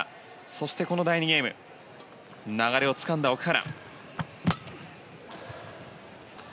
そして、この第２ゲーム流れをつかんだ奥原。